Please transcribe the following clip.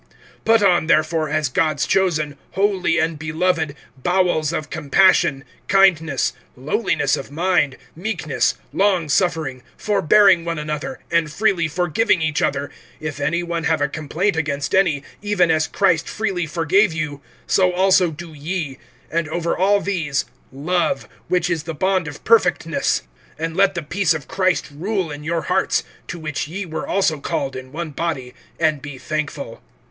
(12)Put on therefore, as God's chosen, holy and beloved, bowels of compassion, kindness, lowliness of mind, meekness, long suffering, (13)forbearing one another, and freely forgiving each other, if any one have a complaint against any, even as Christ freely forgave you, so also do ye; (14)and over all these, love, which is the bond of perfectness. (15)And let the peace of Christ rule in your hearts, to which ye were also called in one body; and be thankful.